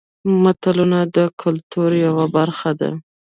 متلونه د کولتور یوه برخه ده